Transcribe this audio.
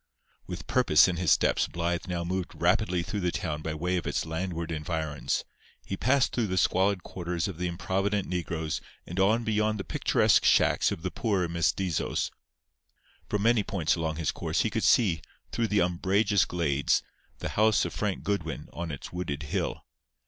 With purpose in his steps Blythe now moved rapidly through the town by way of its landward environs. He passed through the squalid quarters of the improvident negroes and on beyond the picturesque shacks of the poorer mestizos. From many points along his course he could see, through the umbrageous glades, the house of Frank Goodwin on its wooded hill.